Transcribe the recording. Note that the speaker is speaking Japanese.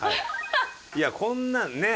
いやこんなんね